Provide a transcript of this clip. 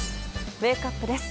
ウェークアップです。